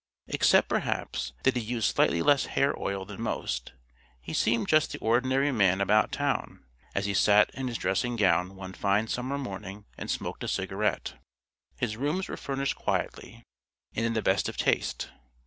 Except, perhaps, that he used slightly less hair oil than most, he seemed just the ordinary man about town as he sat in his dressing gown one fine summer morning and smoked a cigarette. His rooms were furnished quietly and in the best of taste.